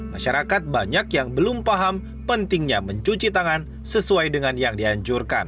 masyarakat banyak yang belum paham pentingnya mencuci tangan sesuai dengan yang dianjurkan